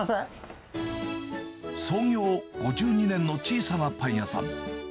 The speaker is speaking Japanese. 創業５２年の小さなパン屋さん。